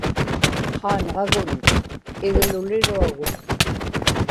qaanġagun igluliruagut